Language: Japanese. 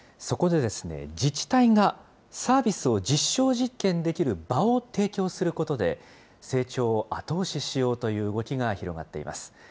そこで自治体がサービスを実証実験できる場を提供することで、成長を後押ししようという動きが広がっています。